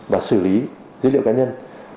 và xử lý dữ liệu cá nhân